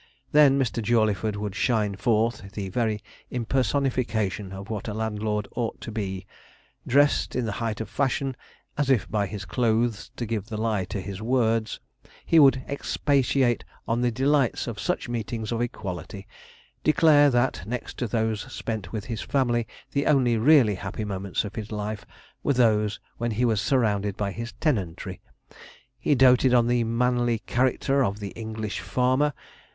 Then Mr. Jawleyford would shine forth the very impersonification of what a landlord ought to be. Dressed in the height of the fashion, as if by his clothes to give the lie to his words, he would expatiate on the delights of such meetings of equality; declare that, next to those spent with his family, the only really happy moments of his life were those when he was surrounded by his tenantry; he doated on the manly character of the English farmer.